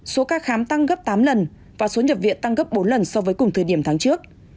số ca khám tăng gấp tám lần và số nhập viện tăng gấp bốn lần so với cùng thời điểm tháng trước